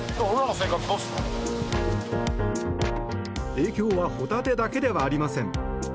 影響はホタテだけではありません。